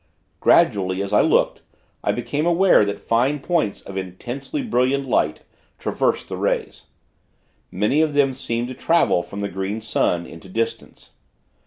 Gradually, as I looked, I became aware that fine points of intensely brilliant light, traversed the rays. Many of them seemed to travel from the Green Sun, into distance.